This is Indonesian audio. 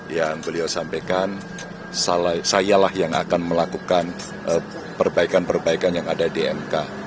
yang beliau sampaikan sayalah yang akan melakukan perbaikan perbaikan yang ada di mk